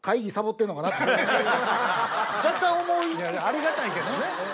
ありがたいけどね。